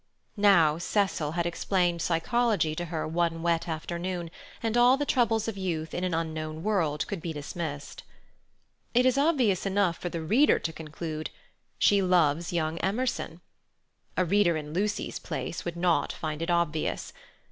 Now Cecil had explained psychology to her one wet afternoon, and all the troubles of youth in an unknown world could be dismissed. It is obvious enough for the reader to conclude, "She loves young Emerson." A reader in Lucy's place would not find it obvious.